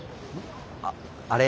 あっあれ